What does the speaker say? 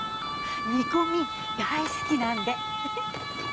煮込み大好きなんで。